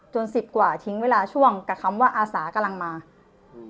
สิบกว่าทิ้งเวลาช่วงกับคำว่าอาสากำลังมาอืม